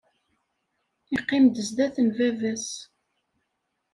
Yeqqim-d sdat n baba-s!